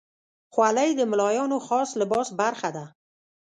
خولۍ د ملایانو خاص لباس برخه ده.